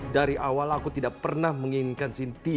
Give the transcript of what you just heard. dari awal aku tidak pernah menginginkan sintia